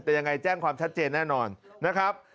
แต่ยังไงแจ้งความชัดเจนแน่นอนนะครับ